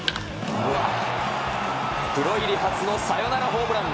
プロ入り初のサヨナラホームラン。